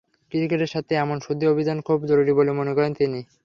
ক্রিকেটের স্বার্থে এমন শুদ্ধি অভিযান খুব জরুরি বলেও মনে করেন তিনি।